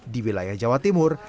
di wilayah jawa timur